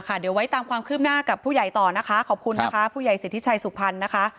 เอาละค่ะเดี๋ยวไว้ตามความคืบหน้ากับผู้ใหญ่ต่อนะคะขอบคุณนะคะผู้ใหญ่เศรษฐิชัยสุภัณฑ์นะคะ